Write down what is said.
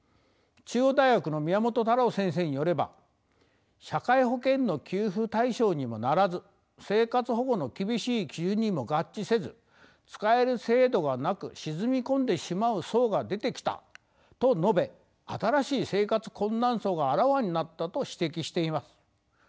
中央大学の宮本太郎先生によれば社会保険の給付対象にもならず生活保護の厳しい基準にも合致せず使える制度がなく沈み込んでしまう層が出てきたと述べ新しい生活困難層があらわになったと指摘しています。